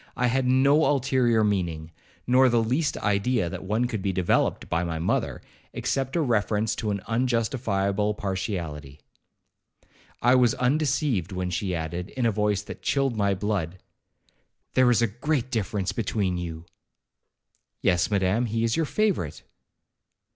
I had no ulterior meaning, nor the least idea that one could be developed by my mother, except a reference to an unjustifiable partiality. I was undeceived, when she added, in a voice that chilled my blood, 'There is a great difference between you.' 'Yes, Madam, he is your favourite.'